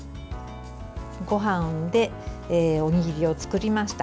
ごはんで、おにぎりを作りました。